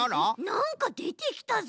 なんかでてきたぞ。